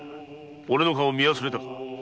俺の顔を見忘れたか。